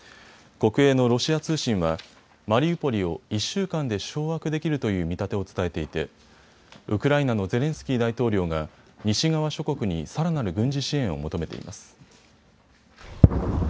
国営のロシア通信はマリウポリを１週間で掌握できるという見立てを伝えていてウクライナのゼレンスキー大統領が西側諸国にさらなる軍事支援を求めています。